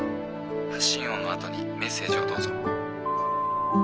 発信音のあとにメッセージをどうぞ」。